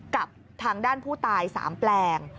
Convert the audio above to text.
กับทางด้านผู้ตาย๓แปลง